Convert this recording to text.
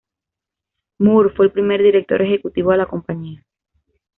Moore fue el primer Director Ejecutivo de la compañía.